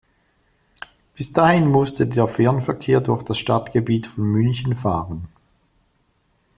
Bis dahin musste der Fernverkehr durch das Stadtgebiet von München fahren.